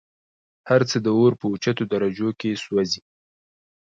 هرڅه د اور په اوچتو درجو كي سوزي